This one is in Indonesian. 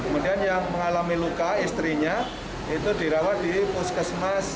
kemudian yang mengalami luka istrinya itu dirawat di puskesmas